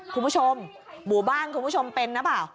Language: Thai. คุณผู้ชมหมู่บ้านคุณผู้ชมเป็นหรือเปล่า